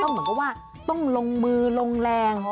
เหมือนกับว่าต้องลงมือลงแรง